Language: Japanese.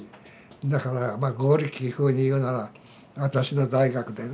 だからまあゴーリキー風に言うなら「私の大学」でね。